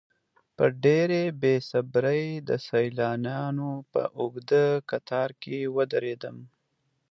په ډېرې بې صبرۍ د سیلانیانو په اوږده کتار کې ودرېدم.